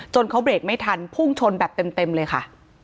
เขาเบรกไม่ทันพุ่งชนแบบเต็มเลยค่ะ